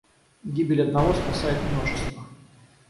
Гибель одного спасает множество.